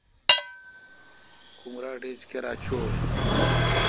کمراٹ ایچ کیرا چوں ۔